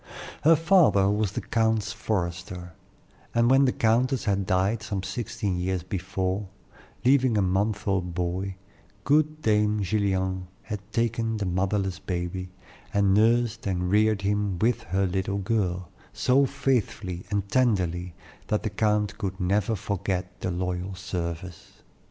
Her father was the count's forester, and when the countess had died some sixteen years before, leaving a month old boy, good dame Gillian had taken the motherless baby, and nursed and reared him with her little girl, so faithfully and tenderly that the count never could forget the loyal service.